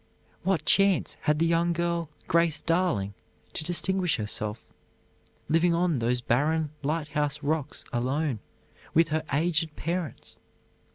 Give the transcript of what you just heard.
What chance had the young girl, Grace Darling, to distinguish herself, living on those barren lighthouse rocks alone with her aged parents?